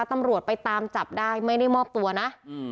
ตำรวจไปตามจับได้ไม่ได้มอบตัวนะ